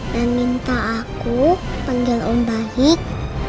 dan minta aku panggil om baik